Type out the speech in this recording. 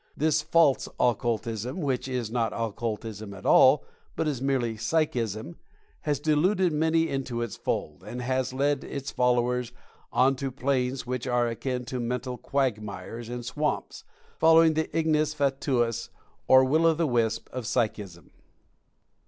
This false Occultism, which is not Occultism at all, but is merely "psychism," has deluded many into its folds, and has led its followers on to planes which are akin to mental quagmires and swamps, following the ignis fatuus, or will o' the wisp" of "Psychism."